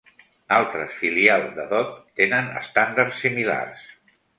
Altres filials de DoD tenen estàndards similars.